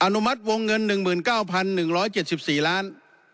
นุมัติวงเงิน๑๙๑๗๔ล้าน